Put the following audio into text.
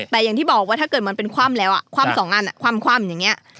แต่อย่างที่บอกว่าถ้าเกิดมันเป็นคว่ำแล้วคว่ำสองอันคว่ำอย่างนี้